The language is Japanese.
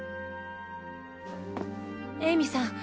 エイミさん